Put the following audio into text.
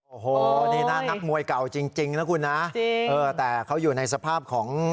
โอ้โหนี่นะนักมวยเก่าจริงนะคุณนะจริงเออแต่เขาอยู่ในสภาพของ